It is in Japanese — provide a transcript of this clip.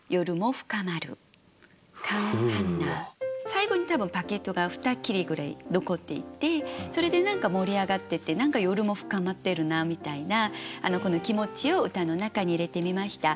最後に多分バゲットが２切れぐらい残っていてそれで何か盛り上がってて何か夜も深まってるなみたいなこの気持ちを歌の中に入れてみました。